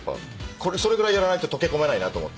それぐらいやらないと溶けこめないなと思って。